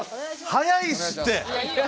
早いっすって。